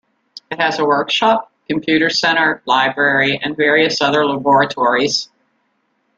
It has a workshop, computer centre, library and various other laboratories.